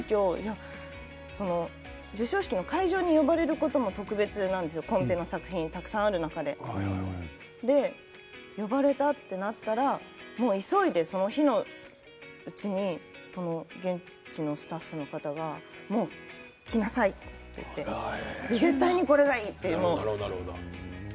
急きょ授賞式の会場に呼ばれることも特別なんですよ、コンペの作品がたくさんある中で呼ばれたってなったら急いでその日のうちに現地のスタッフの方がもう来なさいって言って絶対に、これがいいって。